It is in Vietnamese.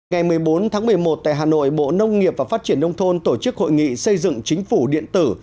ngày một mươi bốn tháng một mươi một tại hà nội bộ nông nghiệp và phát triển nông thôn tổ chức hội nghị xây dựng chính phủ điện tử